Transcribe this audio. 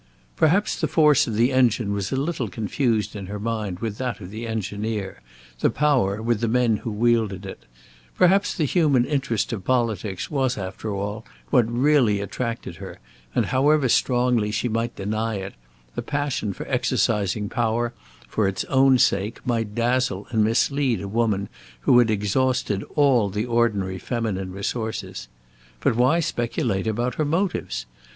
Perhaps the force of the engine was a little confused in her mind with that of the engineer, the power with the men who wielded it. Perhaps the human interest of politics was after all what really attracted her, and, however strongly she might deny it, the passion for exercising power, for its own sake, might dazzle and mislead a woman who had exhausted all the ordinary feminine resources. But why speculate about her motives?